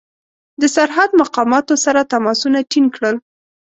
د سرحد مقاماتو سره تماسونه ټینګ کړل.